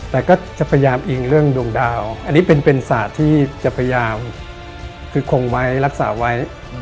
แต่ก็จะพยายามอิงเรื่องดวงดาวอันนี้เป็นศาสตร์ที่จะพยายามคือคงไว้รักษาไว้